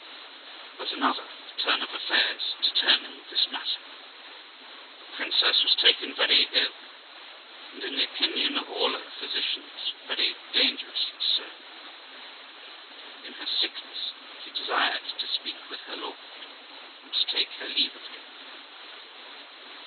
But another turn of affairs determined this matter, for the princess was taken very ill, and, in the opinion of all her physicians, very dangerously so. In her sickness she desired to speak with her lord, and to take her leave of him.